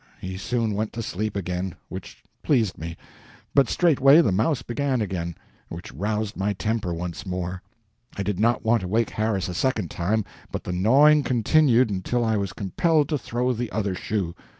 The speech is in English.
He soon went to sleep again, which pleased me; but straightway the mouse began again, which roused my temper once more. I did not want to wake Harris a second time, but the gnawing continued until I was compelled to throw the other shoe.